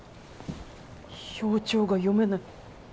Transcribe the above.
表情が読めない。